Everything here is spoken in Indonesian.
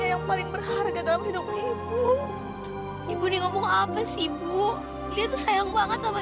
yang paling berharga dalam hidup ibu ibu nih ngomong apa sih bu lihat tuh sayang banget sama